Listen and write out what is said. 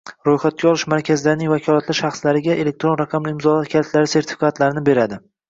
ro‘yxatga olish markazlarining vakolatli shaxslariga elektron raqamli imzolar kalitlari sertifikatlarini beradi;